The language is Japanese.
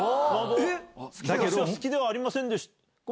「私は好きではありませんでした」。